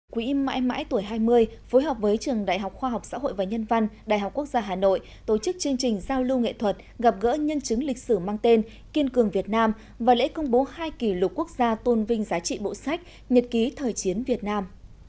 quỹ mãi mãi tuổi hai mươi phối hợp với trường đại học khoa học xã hội và nhân văn đại học quốc gia hà nội tổ chức chương trình giao lưu nghệ thuật gặp gỡ nhân chứng lịch sử mang tên kiên cường việt nam và lễ công bố hai kỷ lục quốc gia tôn vinh giá trị bộ sách nhật ký thời chiến việt nam